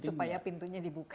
supaya pintunya dibuka